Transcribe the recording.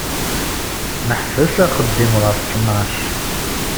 Neḥbes axeddim ɣef ttnac.